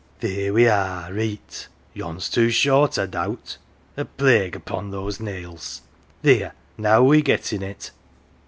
" Theer we are reet ... Yon's too short, I doubt ... A plague vipon those nails ... Theer, now we're gettin' it."